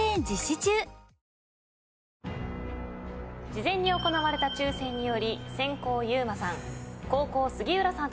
事前に行われた抽選により先攻ｙｕｍａさん